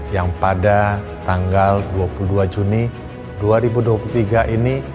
yang pada tanggal dua puluh dua juni dua ribu dua puluh tiga ini